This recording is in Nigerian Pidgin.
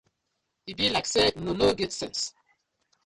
E bi layk say uno no get sence.